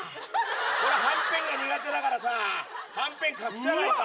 俺はんぺんが苦手だからさはんぺん隠さないと。